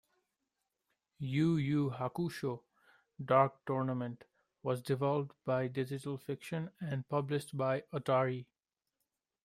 "Yu Yu Hakusho: Dark Tournament" was developed by Digital Fiction and published by Atari.